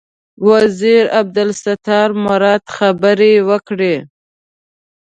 وزیر عبدالستار مراد خبرې وکړې.